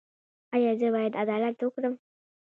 ایا زه باید عدالت وکړم؟